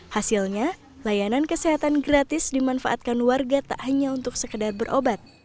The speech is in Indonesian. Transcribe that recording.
hasilnya layanan kesehatan gratis dimanfaatkan warga tak hanya untuk sekedar berobat